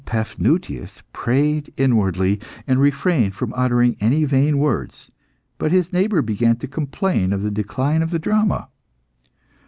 Paphnutius prayed inwardly, and refrained from uttering any vain words, but his neighbour began to complain of the decline of the drama.